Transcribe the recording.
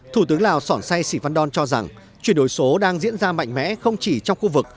thủ tướng lào sổn sai sĩ phan lôn cho rằng chuyển đổi số đang diễn ra mạnh mẽ không chỉ trong khu vực